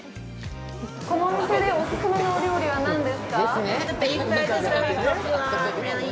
このお店でお勧めのお料理は何ですか。